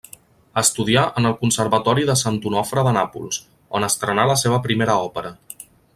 Estudià en el Conservatori de Sant Onofre de Nàpols, on estrenà la seva primera òpera.